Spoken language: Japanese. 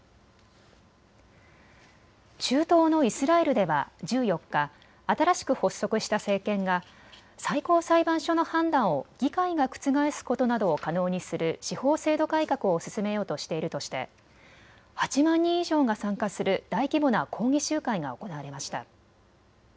中東のイスラエルでは１４日、新しく発足した政権が最高裁判所の判断を議会が覆すことなどを可能にする司法制度改革を進めようとしているとして８万人以上が参加する大規模な抗議集会が行われました。